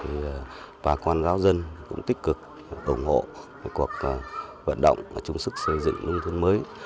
và quan giáo dân cũng tích cực ủng hộ cuộc vận động và chung sức xây dựng đông thôn mới